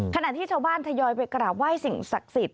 ขณะที่ชาวบ้านทยอยไปกราบไหว้สิ่งศักดิ์สิทธิ